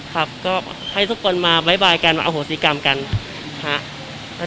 ครับก็ให้ทุกคนมาบ๊ายบายกันมาอโหสิกรรมกันฮะ